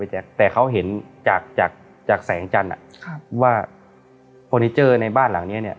พี่แจ๊คแต่เขาเห็นจากจากจากแสงจันทร์ครับว่าฟอนิเจอร์ในบ้านหลังเนี้ย